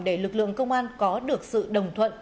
để lực lượng công an có được sự đồng thuận